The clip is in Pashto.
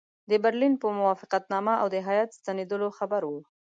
د برلین په موافقتنامه او د هیات ستنېدلو خبر وو.